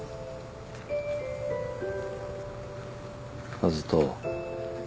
和人。